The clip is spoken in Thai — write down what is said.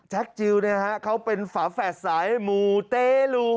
แจ๊คจิวเนี่ยฮะเขาเป็นฝาแฝดสายมูเตลู